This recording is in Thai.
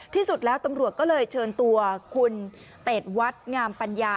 ที่สุดแล้วตำรวจก็เลยเชิญตัวคุณเต็ดวัดงามปัญญา